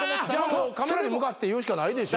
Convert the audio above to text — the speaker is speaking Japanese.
もうカメラに向かって言うしかないでしょ。